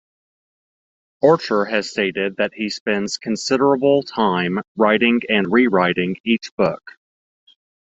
Archer has stated that he spends considerable time writing and re-writing each book.